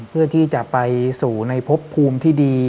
เพื่อที่จะไปสู่ในพบภูมิที่ดี